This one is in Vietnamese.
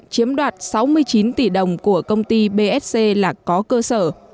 chiếm đoạt sáu mươi chín tỷ đồng của công ty bsc là có cơ sở